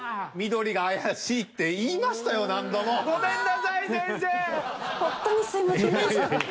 緑が怪しいって言いましたよ